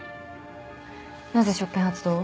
なぜ職権発動を？